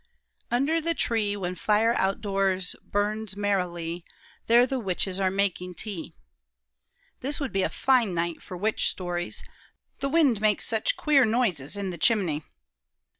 'Under the tree, When fire outdoors burns merrily, There the witches are making tea.' This would be a fine night for witch stories. The wind makes such queer noises in the chimney.